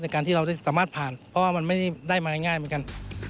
การที่เราได้สามารถผ่านเพราะว่ามันไม่ได้มาง่ายเหมือนกัน